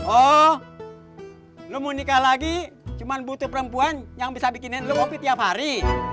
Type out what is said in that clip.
oh belum mau nikah lagi cuma butuh perempuan yang bisa bikinin lu ngopi tiap hari